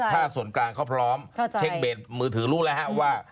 ถ้าส่วนกลางเขาพร้อมเช็คเบสมือถือรู้แล้วว่า